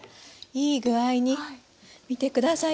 いい具合に見て下さい。